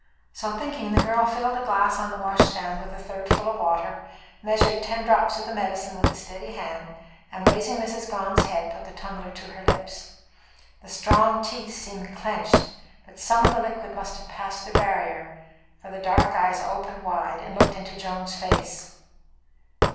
So thinking, the girl filled a glass on the wash handstand a third full of water, measured ten drops of the medicine with a steady hand, and raising Mrs. Gone's head, put the tumbler to her lips. The strong teeth seemed clenched, but some of the liquid must have passed their barrier, for the dark eyes opened wide and looked up into Joan's face.